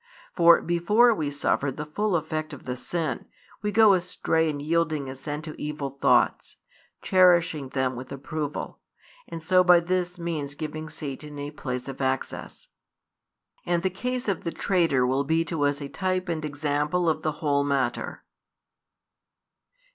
For before we suffer the full effect of the sin, we go astray in yielding assent to evil thoughts, cherishing them with approval, and so by this means giving Satan a place of access. And the case of the traitor will be to us a type and example of the whole matter.